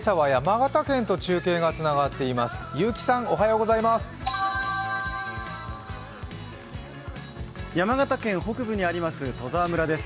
山形県北部にあります戸沢村です。